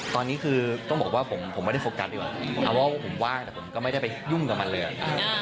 ตอนนี้คือต้องบอกว่าผมไม่ได้โฟกัสดีกว่าเอาว่าผมว่างแต่ผมก็ไม่ได้ไปยุ่งกับมันเลยอะ